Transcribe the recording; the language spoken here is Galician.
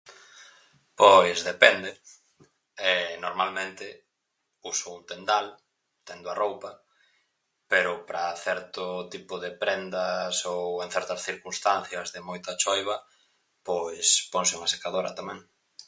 Pois depende, [vacilacións] normalmente uso un tendal, tendo a roupa, pero pra certo tipo de prendas ou en certas circunstancias de moita choiva, pois ponse unha secadora tamén.